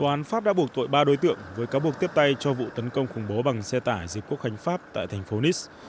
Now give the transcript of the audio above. tòa án pháp đã buộc tội ba đối tượng với cáo buộc tiếp tay cho vụ tấn công khủng bố bằng xe tải dịp quốc hành pháp tại thành phố niss